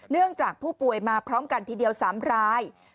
จากผู้ป่วยมาพร้อมกันทีเดียว๓ราย